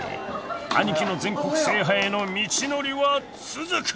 ［アニキの全国制覇への道のりは続く！］